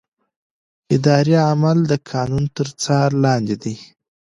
اداري عمل د قانون تر څار لاندې دی.